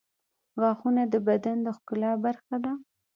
غاښونه د بدن د ښکلا برخه ده.